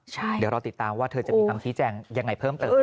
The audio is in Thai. เดี๋ยวรอติดตามว่าเธอจะมีคำชี้แจงยังไงเพิ่มเติม